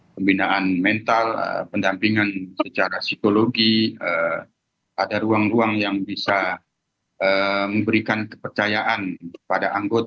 pembinaan mental pendampingan secara psikologi ada ruang ruang yang bisa memberikan kepercayaan kepada anggota